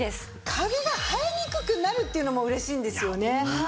カビが生えにくくなるっていうのも嬉しいんですよね。